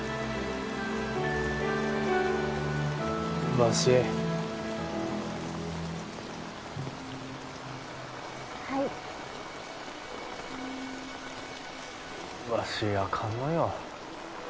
わしはいわしアカンのよ